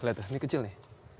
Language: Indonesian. lihat ini kecil nih